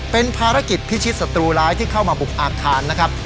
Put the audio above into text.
เป็นภารกิจพิชิตศัตรูร้ายที่เข้ามาบุกอาคารนะครับ